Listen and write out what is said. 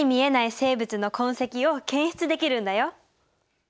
生物の痕跡を検出できるんだよ。